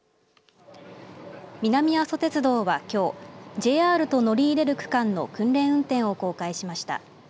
南阿蘇鉄道はきょうＪＲと乗り入れる区間の訓練運転を公開しました。